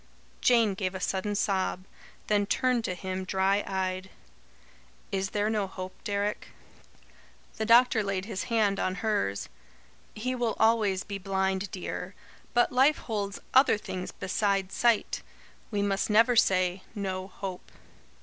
Jane gave a sudden sob; then turned to him, dry eyed. "Is there no hope, Deryck?" The doctor laid his hand on hers. "He will always be blind, dear. But life holds other things beside sight. We must never say: 'No hope.'"